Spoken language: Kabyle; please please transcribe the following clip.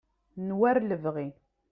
n war lebɣi